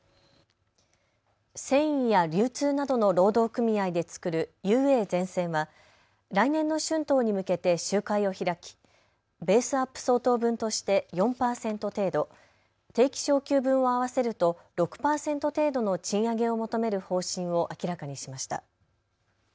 繊維や流通などの労働組合で作るＵＡゼンセンは来年の春闘に向けて集会を開きベースアップ相当分として４％程度、定期昇給分を合わせると６％程度の賃上げを求める方針を明らかにしました。